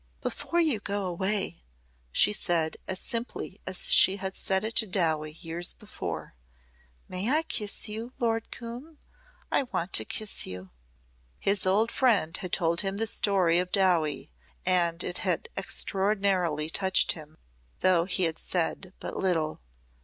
"Before you go away " she said as simply as she had said it to Dowie years before, " may I kiss you, Lord Coombe? I want to kiss you." His old friend had told him the story of Dowie and it had extraordinarily touched him though he had said but little.